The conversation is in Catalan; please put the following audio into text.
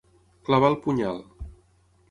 Clavar el punyal.